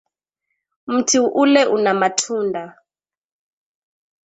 Mti ule una matunda.